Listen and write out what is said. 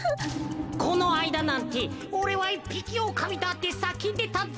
このあいだなんて「おれはいっぴきおおかみだ！」ってさけんでたぜ。